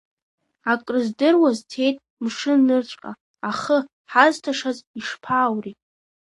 Акрыздыруаз цеит мшыннырцәҟа, ахы ҳазҭашаз, ишԥааури…